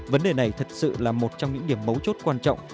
vấn đề này thật sự là một trong những điểm mấu chốt quan trọng